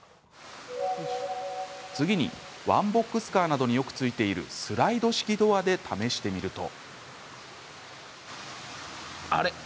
次にワンボックスカーなどによくついているスライド式ドアで試してみると。